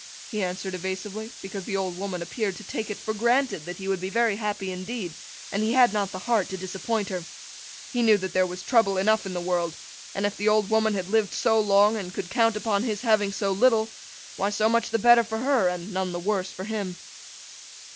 He answered evasively, because the old woman appeared to take it for granted that he would be very happy indeed, and he had not the heart to disappoint her. He knew that there was trouble enough in the world; and if the old woman had lived so long, and could count upon his having so little, why so much the better for her, and none the worse for him.